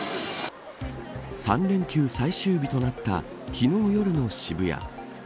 ３連休最終日となった昨日夜の渋谷。